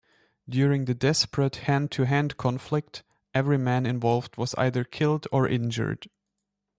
During the desperate hand-to-hand conflict, every man involved was either killed or injured.